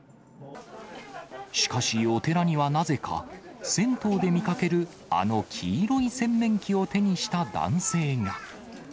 しかし、お寺にはなぜか、銭湯で見かける、あの黄色い洗面器を手にした男性が。